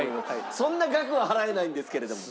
そんな額は払えないんですけれども。